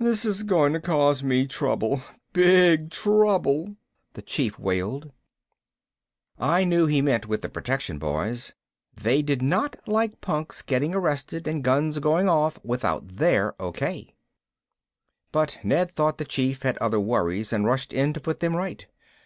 "This is going to cause me trouble, big trouble," the Chief wailed. I knew he meant with the protection boys. They did not like punks getting arrested and guns going off without their okay. But Ned thought the Chief had other worries and rushed in to put them right.